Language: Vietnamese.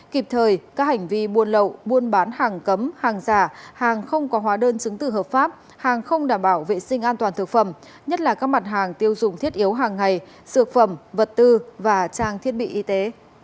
kịp thời các hành vi buôn lậu buôn bán hàng cấm hàng giả hàng không có hóa đơn chứng tử hợp pháp hàng không đảm bảo vệ sinh an toàn thực phẩm nhất là các mặt hàng tiêu dùng thiết yếu hàng ngày sược phẩm vật tư và trang thiết bị y tế